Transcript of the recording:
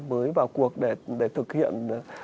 mới vào cuộc để thực hiện